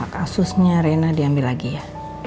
kasusnya rena diambil lagi ya